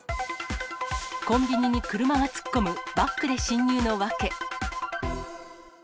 コンビニに車が突っ込む、バックで進入の訳。